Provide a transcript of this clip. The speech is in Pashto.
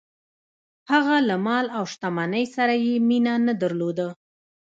هغه له مال او شتمنۍ سره یې مینه نه درلوده.